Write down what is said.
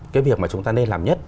cái việc mà chúng ta nên làm nhất